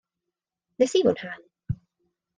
Nes i fwynhau.